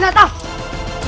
tidak akan kutip kaki